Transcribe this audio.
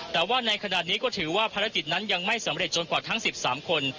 แต่ว่าในขณะนี้ก็ถือว่าภารกิจนั้นยังไม่สำเร็จจนกว่าทั้ง๑๓คน